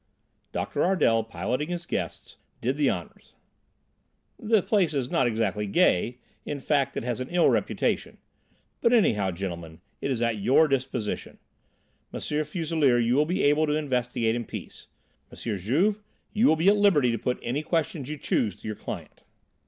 Doctor Ardel, piloting his guests, did the honours. "The place is not exactly gay; in fact, it has an ill reputation; but anyhow, gentlemen, it is at your disposition. M. Fuselier, you will be able to investigate in peace: M. Juve, you will be at liberty to put any questions you choose to your client."